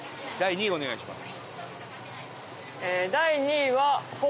１位お願いします。